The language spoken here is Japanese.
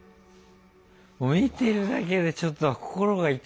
見てるだけでちょっと心が痛いね。